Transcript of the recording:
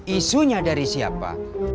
isunya dari siapa